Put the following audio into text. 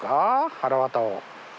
はらわたを。